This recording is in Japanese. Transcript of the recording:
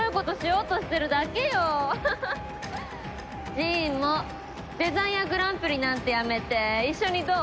ジーンもデザイアグランプリなんてやめて一緒にどう？